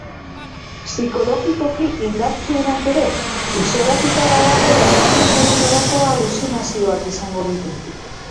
Psikologikoki indartsuenak ere, isolatuta badago, laugarren egunerako aluzinazioak izango ditu.